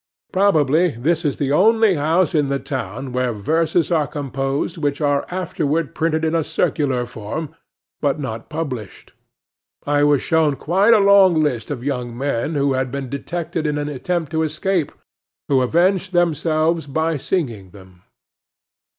Probably this is the only house in the town where verses are composed, which are afterward printed in a circular form, but not published. I was shown quite a long list of verses which were composed by some young men who had been detected in an attempt to escape, who avenged themselves by singing them.